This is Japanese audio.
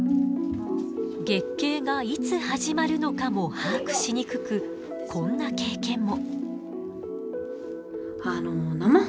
月経がいつ始まるのかも把握しにくくこんな経験も。